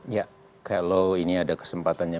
ya kalau ini ada kesempatannya